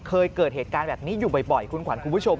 เคยเกิดเหตุการณ์แบบนี้อยู่บ่อยคุณขวัญคุณผู้ชม